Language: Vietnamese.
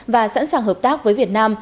và sẵn sàng hợp tác với việt nam